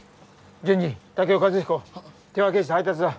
順次健男和彦手分けして配達だ。